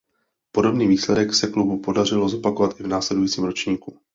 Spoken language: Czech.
Podobný výsledek se klubu podařilo zopakovat i v následujícím ročníku.